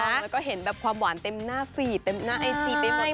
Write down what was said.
แล้วก็เห็นแบบความหวานเต็มหน้าฟีดเต็มหน้าไอจีไปหมดเลย